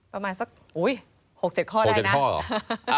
ประมาณสัก๖๗ข้อได้นะ